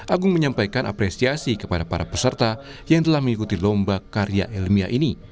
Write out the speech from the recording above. agung menyampaikan apresiasi kepada para peserta yang telah mengikuti lomba karya ilmiah ini